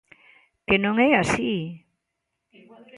¿Que non é así?